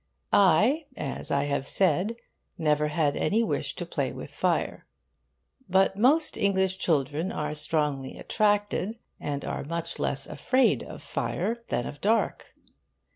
I, as I have said, never had any wish to play with fire; but most English children are strongly attracted, and are much less afraid of fire than of the dark.